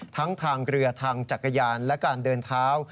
ทั้งทางเรือทางจักรยานและการเดินเท้า